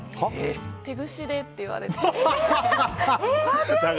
手ぐしでって言われて。